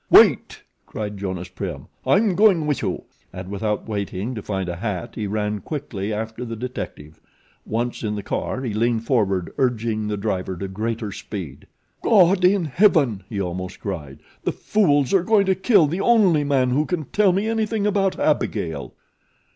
"Wait," cried Jonas Prim, "I'm going with you," and without waiting to find a hat he ran quickly after the detective. Once in the car he leaned forward urging the driver to greater speed. "God in heaven!" he almost cried, "the fools are going to kill the only man who can tell me anything about Abigail."